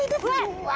うわ！